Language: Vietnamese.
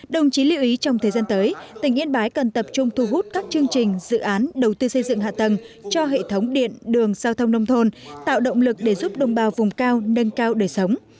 đồng chí lưu ý trong thời gian tới tỉnh yên bái cần tập trung thu hút các chương trình dự án đầu tư xây dựng hạ tầng cho hệ thống điện đường giao thông nông thôn tạo động lực để giúp đồng bào vùng cao nâng cao đời sống